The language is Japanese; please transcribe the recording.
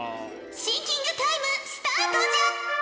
シンキングタイムスタートじゃ！